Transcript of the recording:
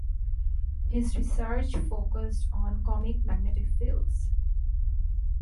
His research focused on cosmic magnetic fields.